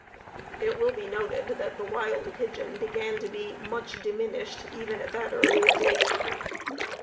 It will be noted that the wild pigeons began to be "much diminished" even at that early date.